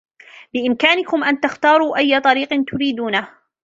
بإمكانكم أن تختاروا أيّ طريق تريدونه.